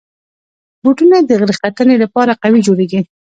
بوټونه د غره ختنې لپاره قوي جوړېږي.